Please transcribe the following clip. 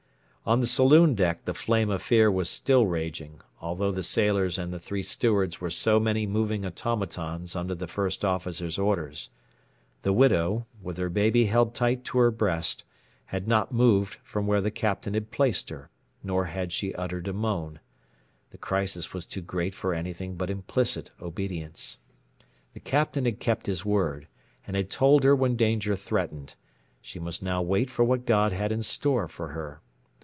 On the saloon deck the flame of fear was still raging, although the sailors and the three stewards were so many moving automatons under the First Officer's orders. The widow, with her baby held tight to her breast, had not moved from where the Captain had placed her, nor had she uttered a moan. The crisis was too great for anything but implicit obedience. The Captain had kept his word, and had told her when danger threatened; she must now wait for what God had in store for her.